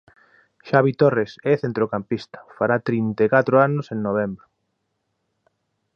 Xavi Torres é centrocampista, fará trinta e catro anos en novembro.